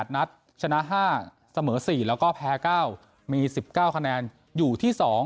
๘นัดชนะ๕เสมอ๔แล้วก็แพ้๙มี๑๙คะแนนอยู่ที่๒